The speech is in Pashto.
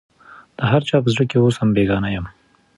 د هر چا په زړه کي اوسم بېګانه یم